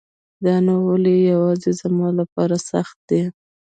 دا نو ولی يواځي زما لپاره سخت دی